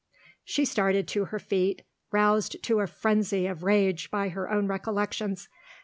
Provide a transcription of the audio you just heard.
She started to her feet, roused to a frenzy of rage by her own recollections.